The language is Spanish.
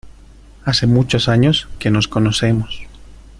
Hace muchos años que nos conocemos.